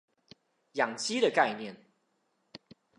養雞的概念